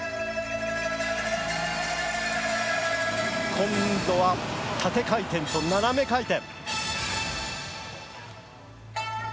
今度は縦回転と斜め回転。